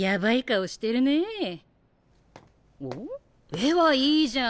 絵はいいじゃん。